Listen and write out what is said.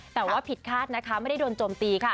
แต่ว่าผิดคาดนะคะไม่ได้โดนโจมตีค่ะ